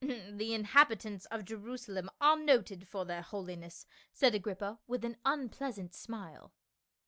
" The inhabitants of Jerusalem are noted for their holiness," said Agrippa, with an unpleasant smile.